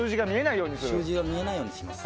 数字が見えないようにする。